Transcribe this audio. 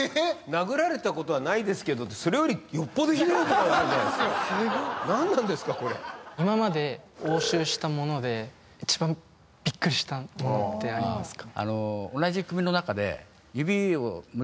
殴られたことはないですけどってそれよりよっぽどひどいことあったんじゃないっすか何なんですかこれ今まで押収したもので一番ビックリしたものってありますか？